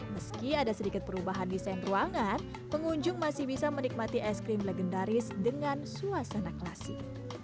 meski ada sedikit perubahan desain ruangan pengunjung masih bisa menikmati es krim legendaris dengan suasana klasik